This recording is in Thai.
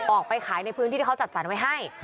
ออกไปขายในพื้นที่ที่เขาจัดสรรไว้ให้